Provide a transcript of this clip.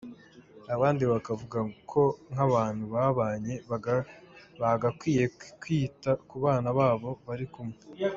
Abandi bakavuga ko nk’abantu babanye bagakwiye kwita ku bana babo bari kumwe.